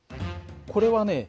これはね